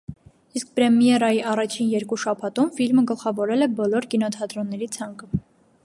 Իսկ պրեմիերայի առաջին երկու շաբաթում ֆիլմը գլխավորել է բոլոր կինոթատրոնների ցանկը։